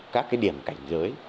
các cái điểm cảnh giới